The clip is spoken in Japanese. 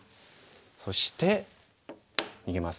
そして逃げます。